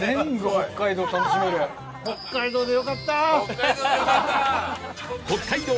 北海道でよかった！